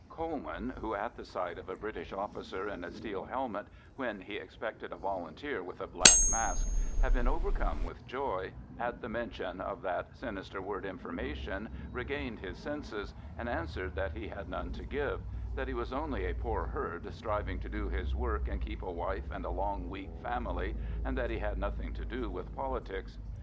Coleman, who at the sight of a British officer in a steel helmet, when he expected a Volunteer with a black mask, had been overcome with joy, at the mention of that sinister word "information" regained his senses, and answered that he had none to give; that he was only a poor herd striving to do his work and keep a wife and a long weak family, and that he had nothing to do with politics.